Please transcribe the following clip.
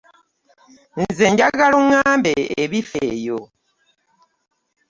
Nze njagala oŋŋambe ebifa eyo.